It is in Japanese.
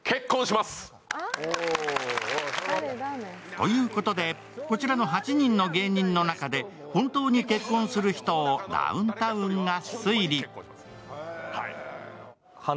ということで、こちらの８人の芸人の中で本当に結婚する人をダウンタウンが推理。